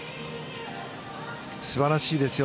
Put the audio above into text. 素晴らしいですよ。